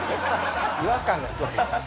違和感がすごい。